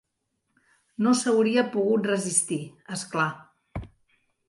No s'hauria pogut resistir, és clar.